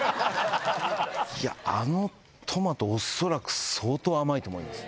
いやあのトマト恐らく相当甘いと思います